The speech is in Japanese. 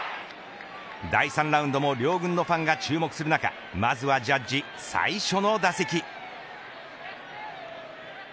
第３ラウンドも両軍のファンが注目する中まずはジャッジ最初の打席。